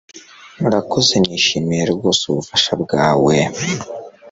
Murakoze nishimiye rwose ubufasha bwawe